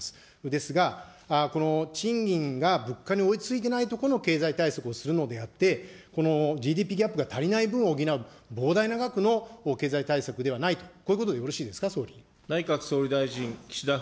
ですが、この賃金が物価に追いついていないところの経済対策をするのであって、ＧＤＰギャップが足りない分を補う、膨大な額の経済対策ではないと、こういうことでよろしいですか、総理。